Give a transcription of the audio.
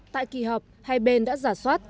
tại kỳ họp hai bên đã giả soát